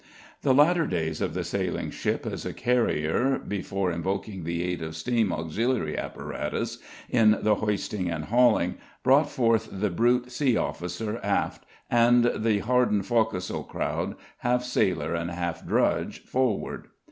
The latter days of the sailing ship as a carrier, before invoking the aid of steam auxiliary apparatus, in the hoisting and hauling, brought forth the brute sea officer aft, and the hardened fo'c'sle crowd, half sailor and half drudge, forward.